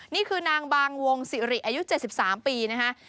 นี่คือนางบางวงศิริอายุ๗๓ปีนะคะ